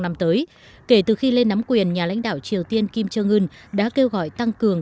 năm tới kể từ khi lên nắm quyền nhà lãnh đạo triều tiên kim jong un đã kêu gọi tăng cường